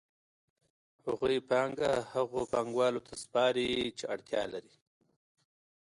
هغوی پانګه هغو پانګوالو ته سپاري چې اړتیا لري